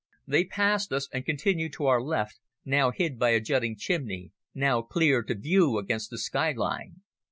They passed us and continued to our left, now hid by a jutting chimney, now clear to view against the sky line.